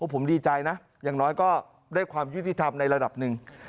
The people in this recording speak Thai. ผมดีใจนะอย่างน้อยก็ได้ความยุติธรรมในระดับหนึ่ง